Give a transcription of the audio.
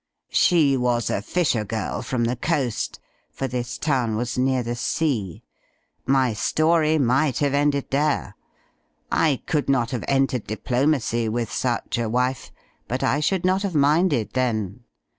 She was a fisher girl from the coast ; for this town was near the sea. My story might have ended there. I could not have entered diplomacy with such a wife, but I should not have minded then.